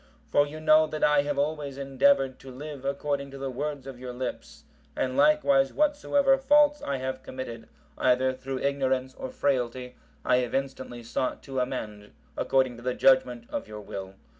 For you know that I have always endeavoured to live according to the words of your lips, and likewise whatsoever faults I have committed, either through ignorance or frailty, I have instantly sought to amend according to the judgement of your will."